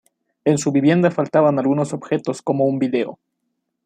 En su vivienda faltaban algunos objetos como un video.